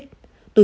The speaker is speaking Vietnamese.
tôi rất buồn